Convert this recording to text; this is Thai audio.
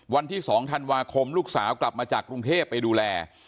วันที่๒ธันวาคมลูกสาวกลับมาจากกรุงเทพไปดูแล